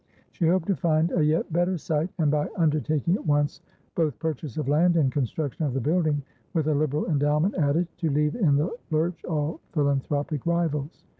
She hoped to find a yet better site, and, by undertaking at once both purchase of land and construction of the building, with a liberal endowment added, to leave in the lurch all philanthropic rivals.